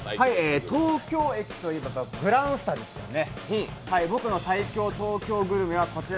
東京駅といえばグランスタですよね。